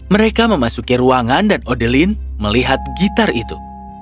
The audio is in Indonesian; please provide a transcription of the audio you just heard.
mereka memasuki ruangan dan odelin melihat gitar itu